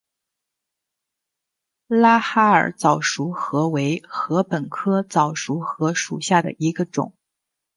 拉哈尔早熟禾为禾本科早熟禾属下的一个种。